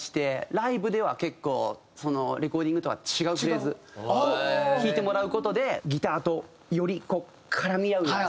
ライブでは結構そのレコーディングとは違うフレーズを弾いてもらう事でギターとよりこう絡み合うように。